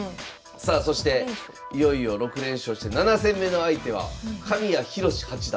さあそしていよいよ６連勝して７戦目の相手は神谷広志八段。